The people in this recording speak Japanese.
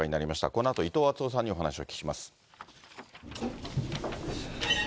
このあと伊藤惇夫さんにお話をお聞きします。